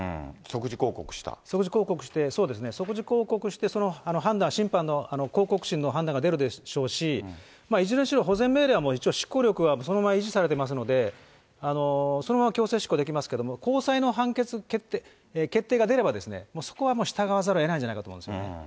即時抗告して、そうですね、即時抗告して、その判断、審判の抗告審の判断が出るでしょうし、いずれにしろ保全命令はもう一応、執行力はそのまま維持されてますので、そのまま強制執行できますけども、高裁の判決決定が出れば、そこはもう従わざるをえないんじゃないかと思いますね。